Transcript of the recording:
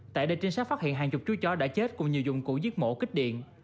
tại đây trinh sát phát hiện hàng chục chú chó đã chết cùng nhiều dụng cụ giết mổ kích điện